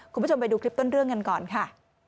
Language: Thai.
คุณผู้ชมไปดูคลิปต้นเรื่องกันก่อนค่ะ